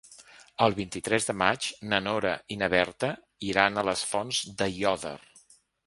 El vint-i-tres de maig na Nora i na Berta iran a les Fonts d'Aiòder.